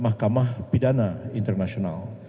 mahkamah pidana internasional